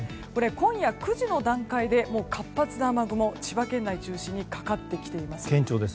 今夜９時の段階で活発な雨雲が千葉県内を中心にかかってきています。